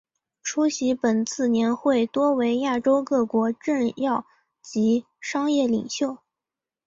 出席本次年会多为亚洲各国政要及商界领袖。